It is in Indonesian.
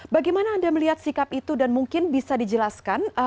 bagaimana anda melihat sikap itu dan mungkin bisa dijelaskan